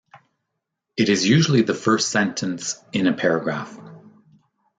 It is usually the first sentence in a paragraph.